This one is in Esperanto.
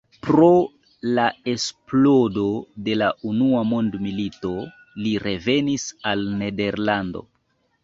Pro la eksplodo de la Unua Mondmilito li revenis al Nederlando.